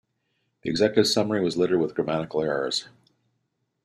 The executive summary was littered with grammatical errors.